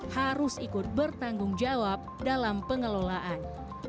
harus ikut bertanggung jawab dalam pengelolaan